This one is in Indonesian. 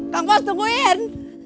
kak boss tungguin